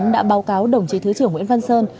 đã báo cáo đồng chí thứ trưởng nguyễn văn sơn